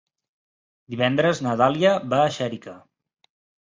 Divendres na Dàlia va a Xèrica.